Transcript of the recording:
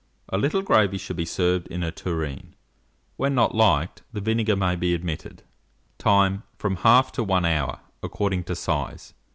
A little gravy should be served in a tureen. When not liked, the vinegar may be omitted. Time. From 1/2 to 1 hour, according to size.